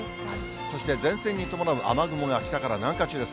そして前線に伴う雨雲が北から南下中です。